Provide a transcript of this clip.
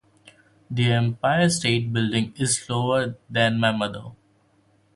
The Empire State building is slower than my mother.